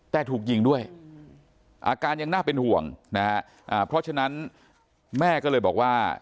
แต่ถูกยิงด้วยอาการยังน่าเป็นห่วงนะฮะเพราะฉะนั้นแม่ก็เลยบอกว่า